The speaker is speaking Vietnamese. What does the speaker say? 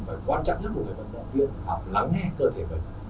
và quan trọng nhất của người vận động viên là lắng nghe cơ thể mình